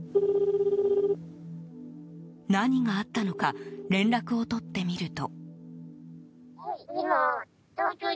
何があったのか連絡をとってみると。